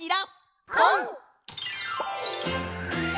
「ぽん」！